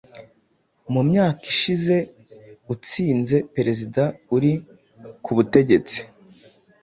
mu myaka ishize utsinze perezida uri ku butegetsi,